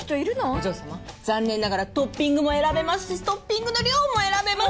お嬢様残念ながらトッピングも選べますしトッピングの量も選べます！